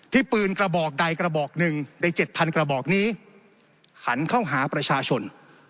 ปืนกระบอกใดกระบอกหนึ่งใน๗๐๐กระบอกนี้หันเข้าหาประชาชน